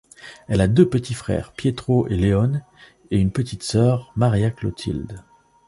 Elle a deux petits frères, Pietro et Leone, et une petite sœur, Maria Clotilde.